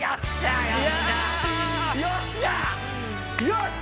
よし！